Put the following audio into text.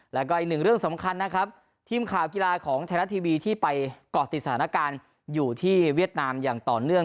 แล้วก็อีกหนึ่งเรื่องสำคัญนะครับทีมข่าวกีฬาของไทยรัฐทีวีที่ไปเกาะติดสถานการณ์อยู่ที่เวียดนามอย่างต่อเนื่อง